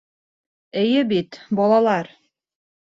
Эйе бит, балалар?..